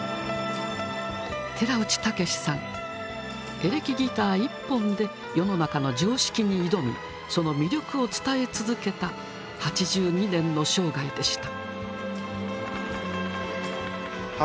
エレキギター１本で世の中の常識に挑みその魅力を伝え続けた８２年の生涯でした。